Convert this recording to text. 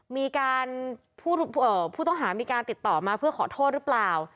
มีการผู้ต้องหามีการติดต่อมาเพื่อขอโทษหรือเปล่า